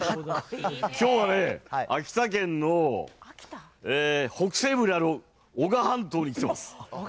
きょうはね、秋田県の北西部にある男鹿半島に来てます。